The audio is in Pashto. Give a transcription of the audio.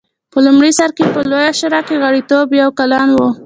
په لومړي سر کې په لویه شورا کې غړیتوب یو کلن و